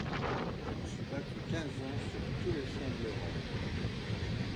Je me suis battu quinze ans sur tous les champs de l'Europe!